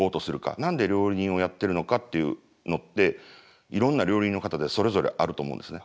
何で料理人をやってるのかっていうのっていろんな料理人の方でそれぞれあると思うんですね。